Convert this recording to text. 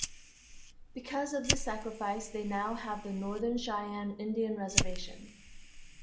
Because of this sacrifice, they now have the Northern Cheyenne Indian Reservation.